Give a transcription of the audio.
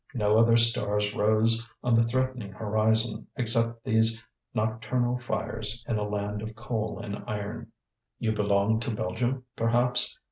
No other stars rose on the threatening horizon except these nocturnal fires in a land of coal and iron. "You belong to Belgium, perhaps?"